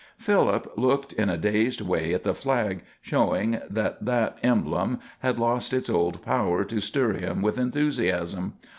Philip looked in a dazed way at the flag, showing that that emblem had lost its old power to stir him with enthusiasm.